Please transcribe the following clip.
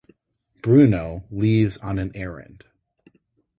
Bruno leaves on an errand.